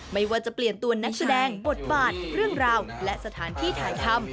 ไม่ว่าจะเปลี่ยนตัวนักแสดงบทบาทเรื่องราวและสถานที่ถ่ายทำ